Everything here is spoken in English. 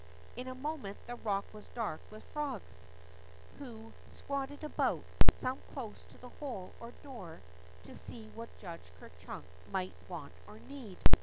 " In a moment the rock was dark with frogs, who 86 THE ROCK FROG squatted about, some close to the hole or door, to see what Judge Ker Chunk might want or need.